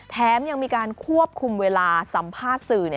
แถมยังมีการควบคุมเวลาสัมภาษณ์สื่อ